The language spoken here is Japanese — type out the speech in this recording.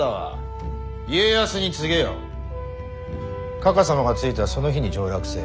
かか様が着いたその日に上洛せえ。